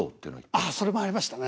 あっそれもありましたね。